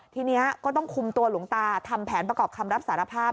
ทีนี้ก็ต้องคุมตัวหลวงตาทำแผนประกอบคำรับสารภาพ